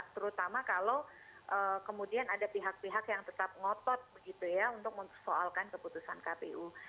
terutama kalau kemudian ada pihak pihak yang tetap ngotot begitu ya untuk mempersoalkan keputusan kpu